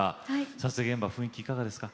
撮影現場雰囲気いかがですか？